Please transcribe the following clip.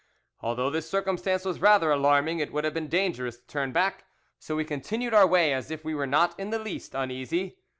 Although this circumstance was rather alarming, it would have been dangerous to turn back, so we continued our way as if we were not in the least uneasy.